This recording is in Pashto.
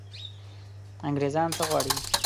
انګرېزان څه غواړي.